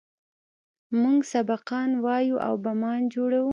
موږ سبقان وايو او بمان جوړوو.